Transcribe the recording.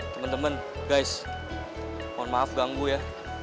temen temen guys mohon maaf ganggu ya